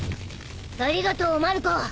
ありがとうマルコ。